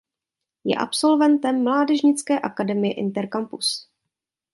Je absolventem mládežnické akademie Inter Campus.